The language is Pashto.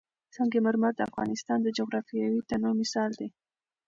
سنگ مرمر د افغانستان د جغرافیوي تنوع مثال دی.